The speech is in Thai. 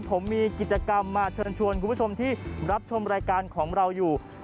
ผมมีกิจกรรมมาเชิญชวนคุณผู้ชมที่รับชมรายการของเราอยู่